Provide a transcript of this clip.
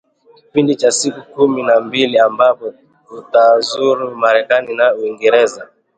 kipindi cha siku kumi na mbili ambapo atazuru Marekani na Uingereza